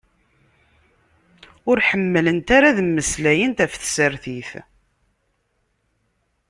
Ur ḥemmlent ara ad meslayent ɣef tsertit.